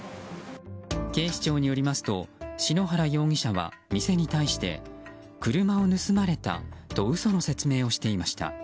警視庁によりますと篠原容疑者は店に対して、車を盗まれたと嘘の説明をしていました。